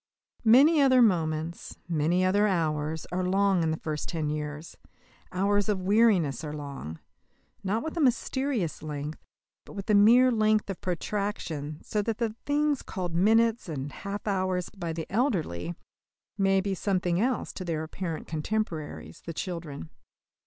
Many other moments, many other hours, are long in the first ten years. Hours of weariness are long not with a mysterious length, but with a mere length of protraction, so that the things called minutes and half hours by the elderly may be something else to their apparent contemporaries, the children.